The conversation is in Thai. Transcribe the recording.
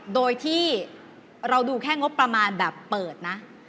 โดยที่เราดูแค่งบประมาณแบบเปิดนะ